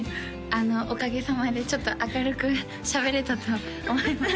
あのおかげさまでちょっと明るくしゃべれたと思います